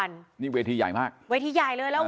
คุณวราวุฒิศิลปะอาชาหัวหน้าภักดิ์ชาติไทยพัฒนา